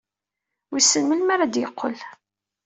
Wissen melmi ara d-yeqqel.